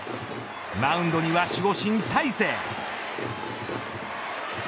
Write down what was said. マウンドには守護神、大勢。